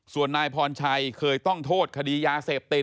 ส่วนนายพรชัยเคยต้องโทษคดียาเสพติด